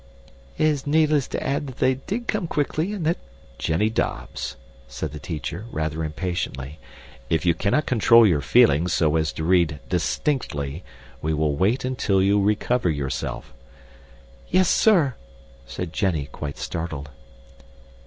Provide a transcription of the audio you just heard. "It is needless to add that they did come quickly and that " "Jenny Dobbs," said the teacher, rather impatiently, "if you cannot control your feelings so as to read distinctly, we will wait until you recover yourself." "Yes, sir!" said Jenny, quite startled.